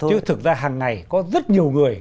chứ thực ra hàng ngày có rất nhiều người